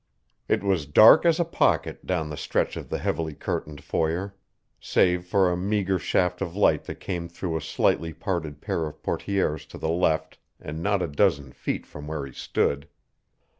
It was dark as a pocket down the stretch of the heavily curtained foyer, save for a meagre shaft of light that came through a slightly parted pair of portières to the left and not a dozen feet from where he stood.